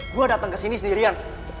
gue dateng kesini sendirian